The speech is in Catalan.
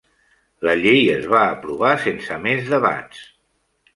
La llei es va aprovar sense més debats.